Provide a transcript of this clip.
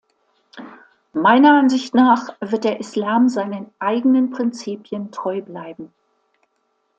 Meiner Ansicht nach wird der Islam seinen eigenen Prinzipien treu bleiben.